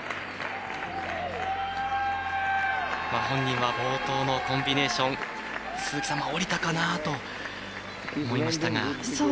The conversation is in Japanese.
本人は冒頭のコンビネーション鈴木さんも降りたかなと思いましたが。